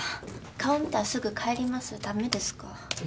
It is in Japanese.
顔見たらすぐ帰りますダメですか？